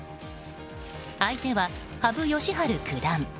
相手は羽生善治九段。